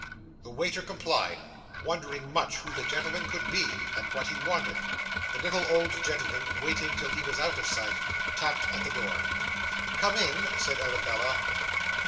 The waiter complied, wondering much who the gentleman could be, and what he wanted; the little old gentleman, waiting till he was out of sight, tapped at the door. 'Come in,' said Arabella.